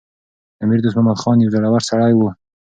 امیر دوست محمد خان یو زړور سړی و.